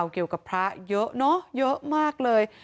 เกี่ยวกับพระเยอะเนอะเยอะมากเลย